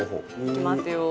いきますよ！